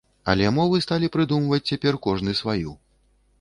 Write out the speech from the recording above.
Але мовы сталі прыдумваць цяпер кожны сваю!